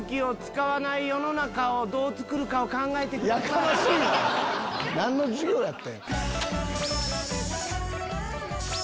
やかましいわ何の授業やってん。